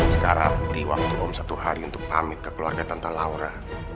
sekarang beri waktu om satu hari untuk pamit ke keluarga tante laura